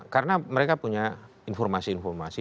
karena mereka punya informasi informasi